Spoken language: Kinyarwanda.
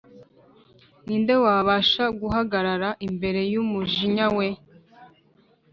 Ni nde wabasha guhagarara imbere y’umujinya we?